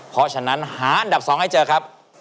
เพราะฉะนั้นหาอันดับ๒ให้เจอครับ